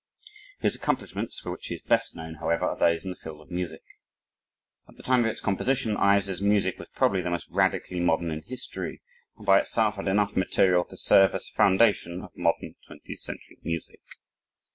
His accomplishments for which he is best known, however, are those in the field of music. At the time of its composition, Ives' music was probably the most radically modern in history, and by itself had enough material to serve as the foundation of modern 20th century music.